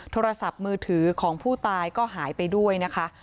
โทรศัพท์มือถือของผู้ตายก็หายไปด้วยนะคะ